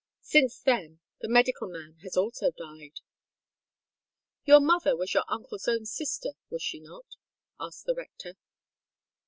Since then the medical man has also died." "Your mother was your uncle's own sister, was she not?" asked the rector.